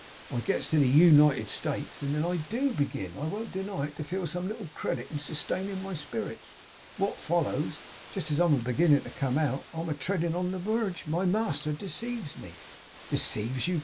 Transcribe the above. I gets to the U nited States; and then I DO begin, I won't deny it, to feel some little credit in sustaining my spirits. What follows? Jest as I'm a beginning to come out, and am a treadin' on the werge, my master deceives me.' 'Deceives you!